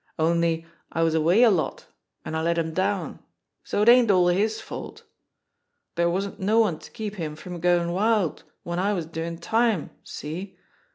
Only I was away a lot, an' I let him down, so it ain't all his fault. Dere wasn't no one to keep him from goin' wild w'en I was doin' time see?